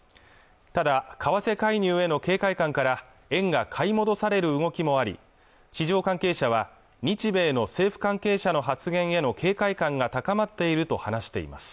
ただ為替介入への警戒感から円が買い戻される動きもあり市場関係者は日米の政府関係者の発言への警戒感が高まっていると話しています